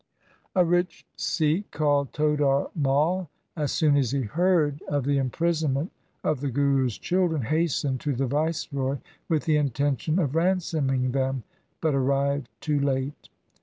A rich Sikh called Todar Mai, as soon as he heard of the imprisonment of the Guru's children, hastened to the viceroy with the intention of ransoming them, but arrived too late.